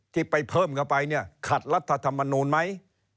ที่ไปเพิ่มเข้าไปเนี่ยขัดรัฐธรรมนูลไหม